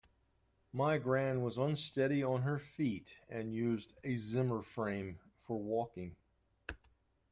My gran was unsteady on her feet and used a Zimmer frame for walking